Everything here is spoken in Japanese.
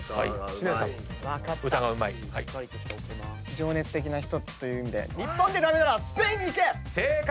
情熱的な人という意味で日本でダメならスペインに行け！正解！